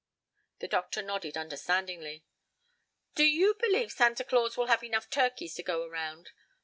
The doctor nodded understandingly. "Do you believe Santa Claus will have enough turkeys to go around?